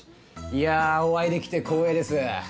いやあお会いできて光栄です。